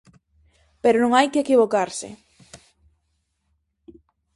Pero non hai que equivocarse.